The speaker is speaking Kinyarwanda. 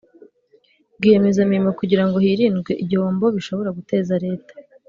Rwiyemezamirimo kugira ngo hirindwe igihombo bishobora guteza Leta